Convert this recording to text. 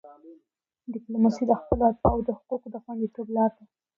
ډیپلوماسي د خپلو اتباعو د حقوقو د خوندیتوب لار ده.